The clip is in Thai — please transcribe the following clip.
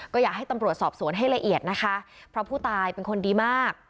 ก็อยากให้ตำรวจสอบสวนให้ละเอียดนะคะเพราะผู้ตายเป็นคนดีมาก